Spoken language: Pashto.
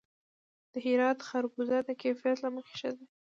د هرات خربوزې د کیفیت له مخې ښې دي.